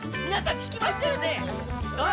みなさんききましたよね？